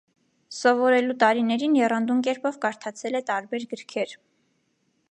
Սովորելու տարիներին եռանդուն կերպով կարդացել է տարբեր գրքեր։